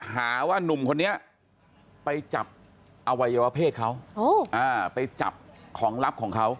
หาว่านุ่มคนนี้ไปจับอวัยวะเพศเขาไปจับของลับของเขา